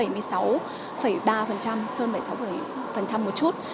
hơn bảy mươi sáu một chút